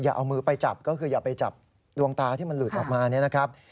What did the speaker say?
เอามือไปจับก็คืออย่าไปจับดวงตาที่มันหลุดออกมาเนี่ยนะครับ